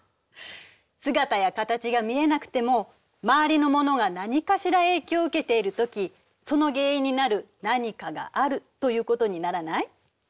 姿や形が見えなくても周りのものがなにかしら影響を受けているときその原因になる何かがあるということにならない？